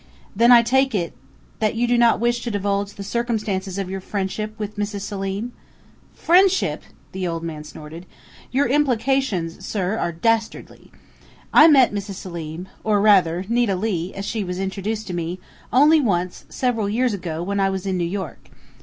"Then I take it that you do not wish to divulge the circumstances of your friendship with Mrs. Selim?" Dundee asked. "Friendship!" the old man snorted. "Your implications, sir, are dastardly! I met Mrs. Selim, or rather, Nita Leigh, as she was introduced to me, only once, several years ago when I was in New York.